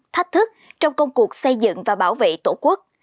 thách thức trong công cuộc xây dựng và bảo vệ tổ quốc